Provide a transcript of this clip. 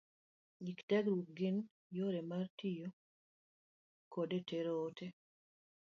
Gik tiegruok gin yore ma itiyo godo e tero ote.